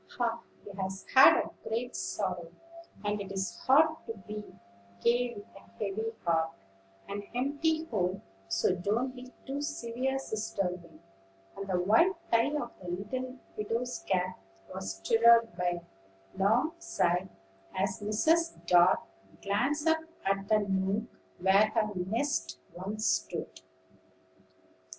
"Ah! he has had a great sorrow, and it is hard to be gay with a heavy heart, an empty home; so don't be too severe, Sister Wing." And the white tie of the little widow's cap was stirred by a long sigh as Mrs. Dart glanced up at the nook where her nest once stood.